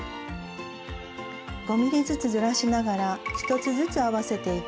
５ｍｍずつずらしながら１つずつ合わせていき